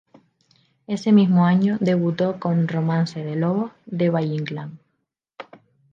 Ese mismo año debutó con "Romance de lobos", de Valle-Inclán.